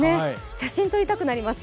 写真撮りたくなります。